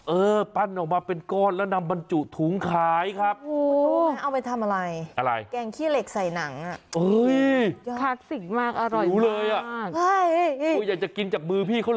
เออปั้นออกมาเป็นก้อนแล้วนำบรรจุถุงขายครับ